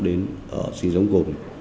xin giống cùng